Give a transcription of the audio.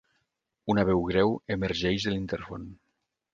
Una veu greu emergeix de l'intèrfon.